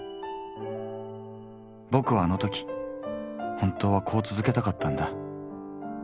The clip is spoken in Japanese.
ボクはあの時本当はこう続けたかったんだ。